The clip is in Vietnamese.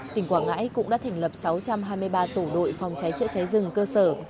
tỉnh quảng ngãi cũng đã thành lập sáu trăm hai mươi ba tổ đội phòng cháy chữa cháy rừng cơ sở